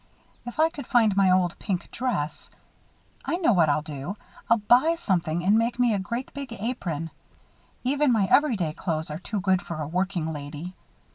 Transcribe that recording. If I could find my old pink dress I know what I'll do, I'll buy something and make me a great big apron. Even my everyday clothes are too good for a working lady.